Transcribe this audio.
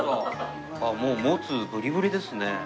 もうモツブリブリですね。